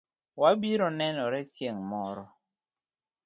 Wabiro nenore chieng' moro